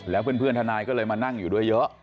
แล้วเพื่อนทนายก็เลยมานั่งอยู่ด้วยเยอะ